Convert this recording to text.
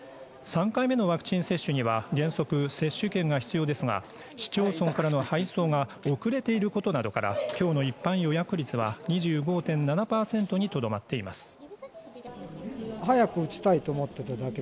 ３回目のワクチン接種には原則接種券が必要ですが市町村からの配送が遅れていることなどからきょうの一般予約率は２５．７％にとどまっています